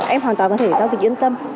em hoàn toàn có thể giao dịch yên tâm